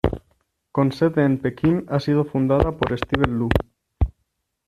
Con sede en Pekín, ha sido fundada por Steven Lu.